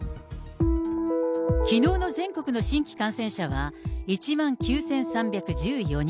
きのうの全国の新規感染者は１万９３１４人。